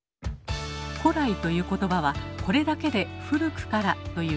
「古来」という言葉はこれだけで「古くから」という意味です。